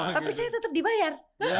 tapi saya tetap dibayar